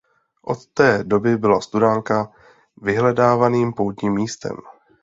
Od té doby byla Studánka vyhledávaným poutním místem.